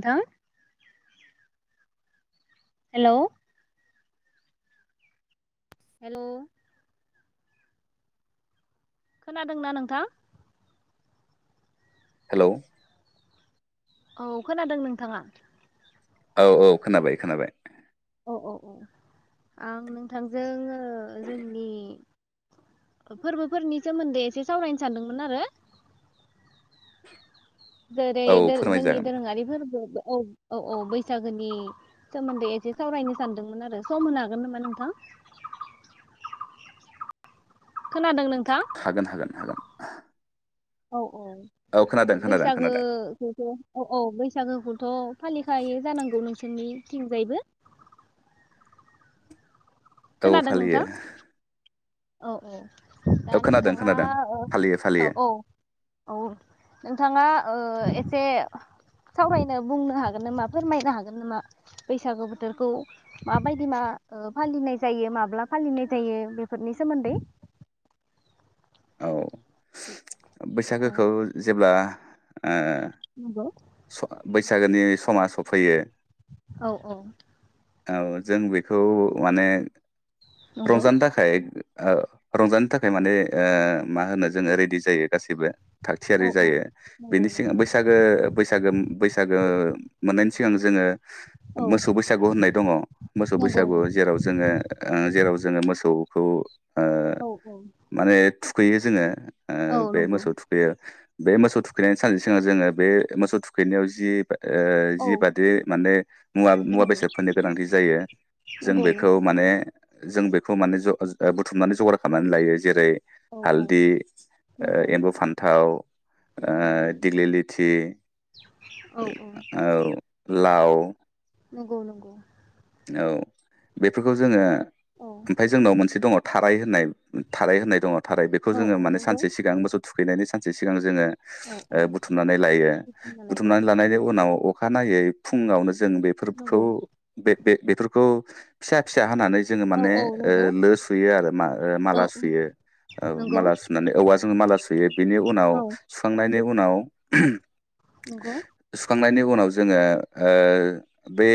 नोंथां hello hello खोनादोंना नोंथां हेलौ औ खोनादों नोंथाङा औ औ खोनाबाय खोनाबाय औ औ औ आं नोंथांजों ओ जोंनि फोरबोफोरनि सोमोन्दै एसे सावरायनो सानदोंमोन आरो जेरै औ दो-जोंनि फोरमायजागोन दोरोङारि फोरबो औ औ औ बैसागोनि सोमोन्दै एसे सावरायनो सानदोंमोन आरो सम होनो हागोन नामा नोंथां खोनादों नों हागोन हागोन हागोन औ औ अ खोनादों खोनादों खोनादों बैसागोखौथ' औ औ बैसागोखौ थ' फालिखायो जानांगौ नोंसोरनिथिंजायबो औ खोनादों फालियो नोंथां औ औ दा औ खोनादों नोंथाङा खोनादों औ फालियो औ फालियो औ औ नोंथाङा ओ एसे सावरायनो बुंनो हागोन नामा फोरमायनो हागोन नामा बैसागु बोथोरखौ माबायदि मा फालिनाय जायो माब्ला फालिनाय जायो बेफ फोरनि सोमोन्दै औ औ बैसागोखौ जेब्ला ओ नंगौ स बैसागोनि समा सफैयो औ औ औ जों बेखौ माने नंगौ रंजानो थाखाय ओ रंजानो थाखाय माने ओ मा होनो जोङो रेडि जायो गासैबो औ थागथियारि औ जायो नंगौ बेनि सिगां नंगौ बैसागो बैसागो उम बैसागो मोननायनि सिगां जोङो औ मोसौ बैसागु होननाय दङ मोसौ नंगौ बैसागु नंगौ जेराव जोङो जेराव ओ जोङो मोसौ खौ औ औ थुखैयो जोङो। औ ओ बे नंगौ मोसौ थुखैयो। बे मोसौ थुखैनायनि सानसे सिगां जोङो बे मोसौ थुखैनायाव जि ओ औ जिबादि माने मुवा मुवा नंगौ बेसादफोरनि गोनांथि जायो जों नंगौ बेखौ नोंथां माने जों बेखौ माने ज ओ ज बुथुमनानै जगार खालामनानै लायो। जेरै औ औ हालदि ओ नंगौ एम्बु फान्थाव ओ नंगौ नंगौ दिग्लि लिथि औ औ औ लाव नगौ नंगौ औ बेफोरखौ जोङो औ ओमफाय जोंनाव मोनसे दङ थाराय होनाय थाराय होननाय दङ थाराय बेखौ औ जोङो औ माने नंगौ सानसे सिगां मोसौ थुखैनायनि सानसे सिगां जोङो। औ औ ओ बुथुमनानै लायो बिदि होनबालाय औ बुथुमनानै लानायनि उनाव अखानायै फुंआवनो जों बेफोरखौ नंगौ बे-बे-बेफोरखौ फिसा फिसा हानानै जोङो औ माने औ नंगौ ओ लो सुयो आरो मा औ माला सुयो औ नंगौ माला सुनानै औवाजों माला सुयो बेनि उनाव औ सुखांनायनि उन नाव नंगौ सुखांनायनि उनाव जोङो ओ बे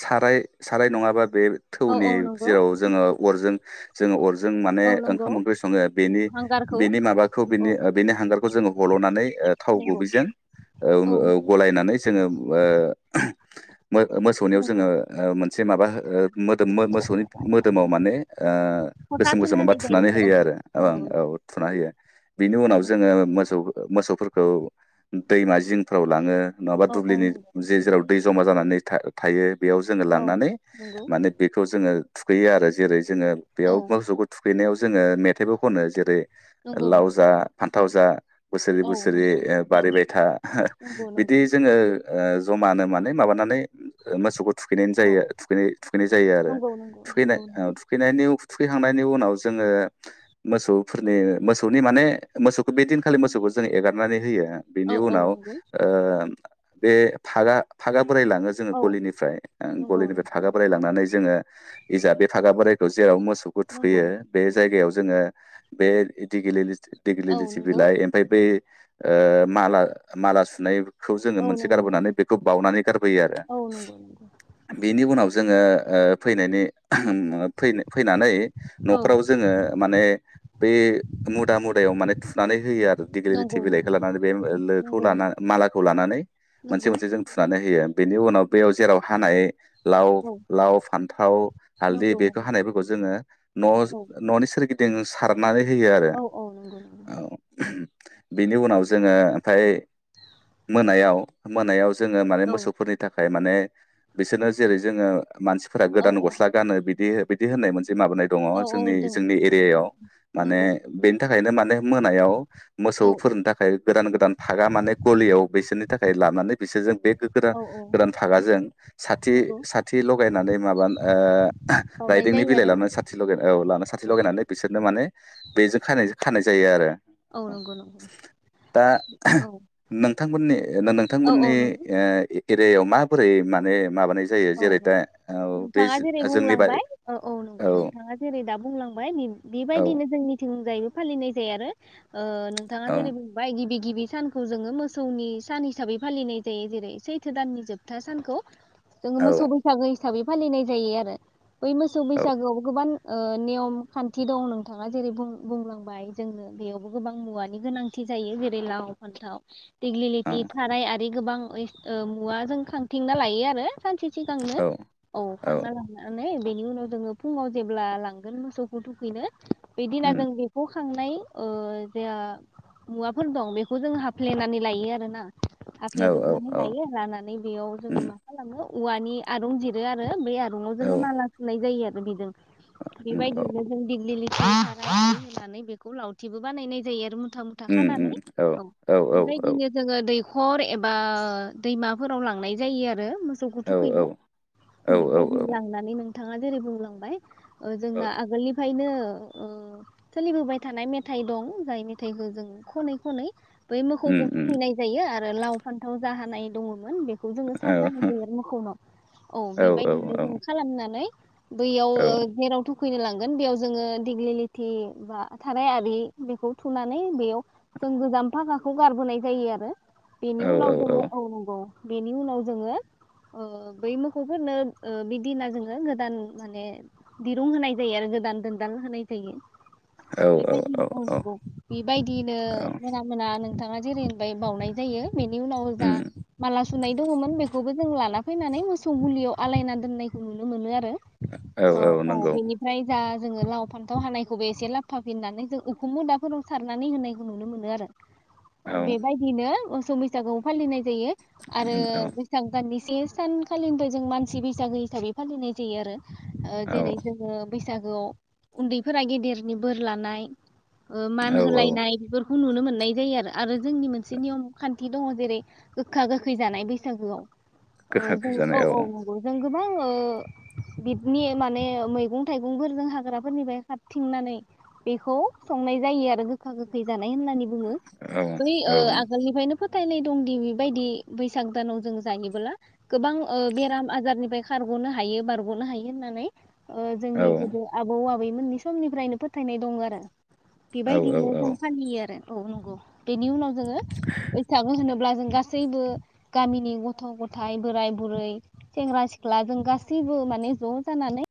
साराय साराय नङाबा बे औ थौनि औ नंगौ जेराव जोङो अरजों जोङो अरजो जों माने औ नंगौ ओंखाम ओंख्रि सङो औ बेनि हांगारखौ बेनि माबाखौ औ बेनि ओ बेनि हांगारखौ जोङो हल'नानै ओ थाव नंगौ गुबैजों ओं औ ओ नंगौ गलायनानै जोङो ओ [inaudible] मो-मोसौनायाव नंगौ जोङो ओ मोन से माबा हो मोदोम मो-मोसौनि मोदोमाव माने ओ फथा गोसोम गोसोम थुना माबा होनाय जायो थुनानै औ होयो आरो ओं नंगौ औ नंगौ थुना होयो बिनि उनाव जोङो मोसौ ओ मोसौफोरखौ दैमा जिंफोराव लाङो। नङाबा औ औ दुब्लिनि नंगौ जे जेराव जमा जानानै था-थायो बेयाव जोङो औ लांनानै नंगौ माने बेखौ जोङो। थुखैयो आरो जेरै जोंङो बेयाव औ मोसौखौ थुख हैनायाव जोङो मेथाइबो खनो जेरै नंगौ लाव नंगौ जा फान्थाव जा बोसोरै औ बोसोरै नंगौ ए बारिबायथा नंगौ बिदि जोङो ओ जमानो मान है माबानानै मोसौखौ थुखैनाय औ जायो थुखै थुखैनाय जायो आरो नंगौ नंगौ थुखैनाय नंगौ औ ओ थुखैनायनि थुखैखांनायनि उनाव जोङो मोसौफोरनि मोसौनि माने मोसौखौ बे दिनखालि मोसौखौ जों एगारनानै होयो । ओ बिनि औ उनाव नंगौ ओ बेे फागा फागा गा बोराय लाङो जों औ गलिनिफ्राय ओ नंगौ गलिनिफ्राय फागा बोराय लांनानै जोङो इजा बे थागा बोराय द [unintelligible] खौ नंगौ थुखैयो बे जायगायाव जोंङो बे एदिगिलि औ देगलिलिथि नंगौ बिलाय ओमफ्राय बेै ओ माला माला सुनाय खौ जोङो औ मोनसे नंगौ गारबोनानै बेखौ बावनानै गारबोयो आरो नंगौ बिनि उनाव जोङो ओ फैनायनि ओ फै-फैनानै औ न'खराव जोङो माने बे मुदा मुदायाव माने थुनानै होयो आरो दिगलि लिथि नंगौ नंगौ औ नंगौ बिलाइखौ लानानै बे लोखौ ला मालाखौ लानानै मोनसे नंगौ नंगौ मोनसे जों थुनानै होयो बेनि उनाव बेयाव जेराव हानाय लाव औ लाव फान्थाव हालदै नंगौ बेखौ नंगौ हानायफोरखौ जोङो न' औ न'नि सोरगिदिं दिं सारनानै होयो आरो औ औ नंगौ नंगौ औ बेनि उनाव जोङो ओमफाय मोनायाव मोनायाव जो जोङो माने औ मोसौफोरनि थाखाय माने बिसोरनो जेरै जोङो मानसिफोरा औ गोदान औ गस्ला गानो बिदि बिदि होननाय मोनसे जि माबानाय दङ औ औ जोंनि दों जोंनि नंगौ एरियायाव माने नंगौ बेनि थाखायनो माने मोनायाव औ मोसौफोरनो थाखाय गोदान गोदान फागा माने गलियाव बिसोरनि थाखाय लानानै बिसोरजों बेदान औ औ गोदान फागाजों साथि नंगौ साथि लगायनानै माबा ओ बावनाय राइदिंनि जायो बिलाइ आरो लानानै सा लगाय लानानै साथि औ लगायनानै बिसोरनो माने बेजों खानायजो खानाय जायो आरो। औ नंगौ नंगौ औ। बिथांमोननि ना औ औ नोंथांमोननि नंगौ ऐ ओ ऐ एरियाव माबोरै माने माबानाय जायो जेरै औ दा औ बे नोंथाङा जेरै जो- जोंनि बा बुंलांबाय औ औ नंगौ नोंथाङा जेरै दा बुंलांबाय नै औ बेबायदिनो जोंनि थिं नुजायो फालिनाय जाया आरो ओ नोंथाङा औ जेरै बुंबाय गिबि गिबि सानखौ जोङो मोसौनि सान हिसाबै फालिनाय जायो जेरै सैथो दाननि जोबथा सानखौ। जोङो मोसौै बैसागोयै हिसाबै फालिनाय जायो आरो। बै मोसौ औ बैसागोआव गोबां ओ नियम खान्थि दं नोंथाङा जेरै बुंलांबाय जोंनो बेयावबो गोबां मुवानि गोनांथि जायो जेरै लाव फान्थाव औ दिग्लिथि खाराय आ बे गोबां ओ मुवाजों खांथिंना लायो आरो। सानसे सिगांनो औ औ खांना लांनानै बेनि उनाव जोङो फुङाव जेब्ला लांगोन मोसौखौ थुखैनो बे दिना उम जों बेखौ खांनाय ओ जे मुवाफोर दं बेखौ जों हाफ्लेनानै लायो आरोना। औ औ हफ्लेेजोबनानै औ लायो लानानै बेयाव जोङो उम मा खालामो औवानि आरुं जिरो आरो बेै आरुं मुङाव औ जोङो माला सुनाय जायो बिदों। उम औ बेबायदिनो जों दिगिलि लि बायनानै बेखौ लावथिबो बानायनाय जायो आरो मुथा मुथा उम खानानै उम औ औ औ बेबायदिनो जोङो दै हाखर एबा दैमाफोराव लांनाय जायो आरो मोसौ औ थुखैनो औ औ औ बेबायदिनो लांनानै नों थाङा जेरै बुंलांबाय। ओ औ जोंना आगोलनिफ्रायनो ओ सोलिबोबाय थानाय मेथाइ दं जाय मेथाइखौ जों खनै खनै बै उम मोखौखौ उम थुखैनाय जायो आर लाव फान्थाव जा हानाय दङमोन बेखौ खौ जोङो औ सारना [unintelligible] औ बेबायदिनो जों खालामनो नै बैयाव औ ओ जेरावथुब थुखैनो लांगोन बेयाव जोङो दिग्लि लिथि बा थाराय आरि बेखौ थुनानै बेयाव जों गोजाम फागाखौ गारबोनाय जायो आरो बेनि औ उनाव जोंङो औ नोंगौ। बेनि उनाव जोङो ओ बै मोखौफोरनो ओ बे दिना जोङो गोदान माने दिरुं होनाय जायो आरो गोदान दोनदां होनाय जायो। औ बेबायदिनो औ नंगौ बेबायदिनो औ मोना मोना नोंथाङा जेरैबाय बावनाय जायो बेनि उनाव जा उम मालास सुनाय दङमोन बेखौबो जों लाना फैनानै मोसौ गुलियाव आलायना दोननायखौ नुनो मोनो आरो औ औ बेनिफ्राय जा जोङो लाव फान्थाव हानायखौबो एसे लाबोफा फिननानै जों उखुम मुदाफोराव सारनानै होनायखौ नुनो मोनो आरो औ बेबायदिनो [unintelligible] फालिनाय जायो आरो उम औ बैसागु मिसे सानखालिनिफ्राय जों मानसि बैसागो हिसाबै फालिनाय जायो आरो ओ जेरै औ जोङो बैसा बैसागोआव उन्दैफोरा गेदेरनि बोर लानाय ओ मान औ औ होलायनाय बेफोर खौ नुनो मोननाय जायो आरो आरो जोंनि मोनसे नियम खान्थि दङ जेरै गोखा गोखै जानाय बैसागोआव। औ गोखा गोखै जायो औ जानाय औ औ नंगौ जों गोबां ओ बिबनि माने मैगं थाइगंफोरजों हाग्राफोरनिफ्राय हारथिंनानै बेखौ संनाय जायो आरो गोखा गोखै जाना नाय होननानै बुङो औ बै औ ओ आगोलनिफ्रायनो फो फोथायनाय दंदि बेबायदि बैसाग दानाव जों जायोबोब्ला गोबां ओ बेराम आजारनिफ्राय खारगनो हायो बारगनो हायो होननानै ओ औ जोंनि गोदो आबौ आ बै मोननि समनिफ्रायनो फोथायनाय दं आरो औ बेबायदिनो जों फालियो आरो औ नंगौ बेनि उनाव जोङो बैसागु होनो अब्ला जों गासैबो गामिनि ग थ' गथाइ बोराय बुरै सेंग्रा सिख्ला जों गासैबो माने ज' जानानै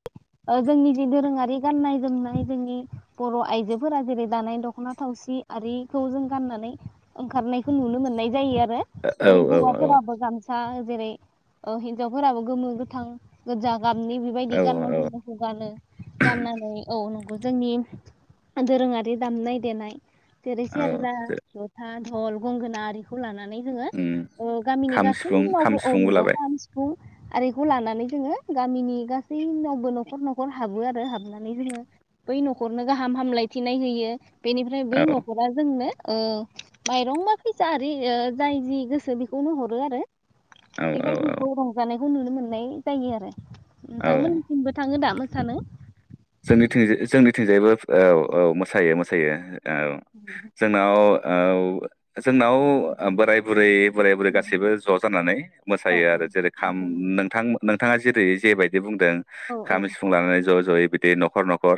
जोंनि जे दोरोङारि गाननाय जोमनाय जोंनि बर' आइजोफोरा जेरै दानाय दख'ना थावसि आरिखौ जों गाननानै ओंखारनायखौ नुनो मोननाय जायो आरो नो औ जेरै हौवाफोराबो गामसा बा जेरै हिनजावफोराबो गोमो गोथां गोजा गाबनि बेबायदि औ गाननाय औ जोमनायखौ गानो गाननानै औ नंगौ जोंनि दोरोङारि दामनाय देनाय जेरै औ सेरजा जथा अल गंगोना आरि लानानै जोङो उम ओ गामिनि खाम गा सिफुं खाम सिफुंबो लाबाय आरो बेखौ लानानै जोङो गामिनि गासैनावबो न'खर न'खर हाबो आरो हाबनानै जोङो बै न'खरनो गाहाम हामलायथिनाय होयो बेनिफ्राय बै औ न'खरा जोंनो ओ माइरं मा फैसा आरि जाय जि गोसो बेखौनो हरो आरो औ औ औ बेबायायदिखौ रंजानाय बेखौ नुनो मोननाय जायो आरो औ नोंथांमोनसिमबो थाङो दा सानो जोंनिं जोंनिथिंजायबो औ औ मोसायो मोसायो औ जोंनाव औ जोंनाव ओ बोराय बुरै बोराय बुरै गासैबो ज' जानानै औ मोसायो औ आरो जेरै खाम नंगौ नंगौ नोंथां नोंथाङा जेरै जेबायदि बुं औ औ खाम सिफुं लानानै ज' ज'यै दै न'खर न'खर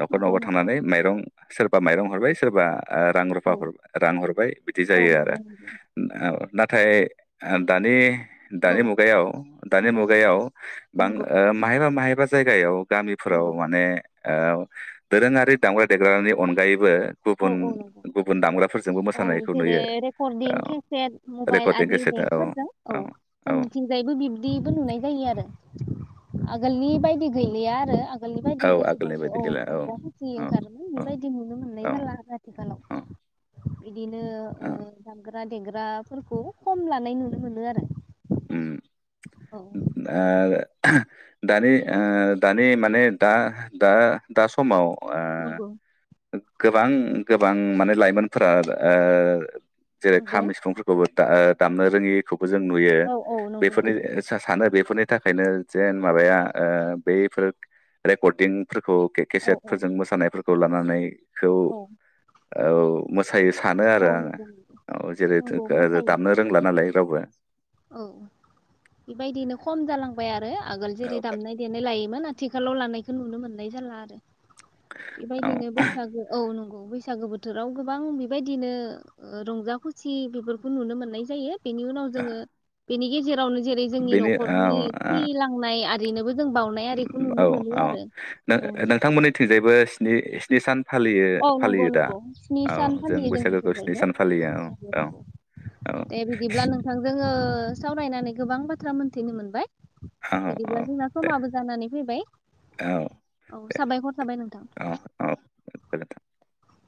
न'खर नंगौ न'खर नंगौ थांनानै माइरं सोरबा माइरं हरबाय सोरबा ओ रां रुफा औ हर रां हरबाय बिदि औ जायो नंगौ आरो नंगौ नाथाय ओ दानि औ दानि मुगायाव दानि नंगौ मुगायाव बां नंगौ माहायबा माह जायगायाव गामि फुं फोराव नंगौ माने औ दोरोङारि दामग्रा देग्रानि अनगायैबो औ गुबुन औ नंगौ गुबुन दामग्राफोरजोंबो औ मोसानायखौ जेरै नुयो रेकर्डिं औ केसेट मबाइल रेकर्डिं आरि केसेट औ देखफोरजों औ जों मिथिंजायैबो बिब्दिबो नुनाय जायो आरो। आगोलनि बायदि गैलिया आरो आनि बदि औ आगोलनि जेसेबो बायदि औ गैला रंजा बसि औ ओंखारोन औ बेबायदि नुनो मोनो। औ जाला आरो औ आथिखालाव बिदिनो औ जानगार द्र देग्राफोरखौ खम लानाय नुनो मोनो आरो। औ उम आ [inaudible] दानि ओ दानि माने। दा दा दा समाव ओ नगौ गोबां गोबां माने लाइमोनफोरा ओ जेरै नंगौ खाम सिफुंफोरखौबो दामनो रोङि खौ जों नुयो औ औ नंगौ बेफोरनि नंगौ सानो बेफोरनि थाखायनो जेन माबाया बैफोर रेकर्डिं औ केसेट औ फोरजों मोसानायफोरखौ लानानै बेखौ औ मो फसायो सानो औ आरो आङो नंगौ औ जेरै नंगौ मोसायो दामनो रोंला नालाय। दावबा औ बेबायदिनो खम जालांबाय आरो। आगोल जेरै दामनाय देनाय लायोमोन। आथि खाालाव लानायखौ नुनो मोननाय जाला आरो औ बेबायदिनो बैसागो औ नंगौ। बैसागो बोथोराव गोबां बेबायदिनो रंजा खुसि बेफोरखौ नुनो मोननाय जायो। बेनि उनाव जोङो बेनिगेजेरावनो जेरै जोंनि बेनि न'खरनि औ थै लांनाय बेनोबो औ औ औ नोंथांमोननिथिंजायबो स्नि सान फालियो औ नंगौ फालियो दा नंगौ स्नि औ सान फालियो जों बैसागोखौ स्नि सान फालियो औ बेफ्रायनोग नंगौ औ दे बिदिब्ला नोंथां जोङो सावरायनानै गोबां बाथ्रा मोन्थिनो मोनबाय। औ औ बिदिब्ला औ जोंना दे समाबो जानानै फैबाय औ दे साबायखर साबाय नोंथां। औ औ [unintelligible]